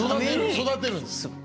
育てるんです。